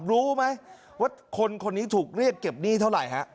รู้ไหมว่าคนคนนี้ถูกเรียกเก็บหนี้เท่าไหร่ฮะ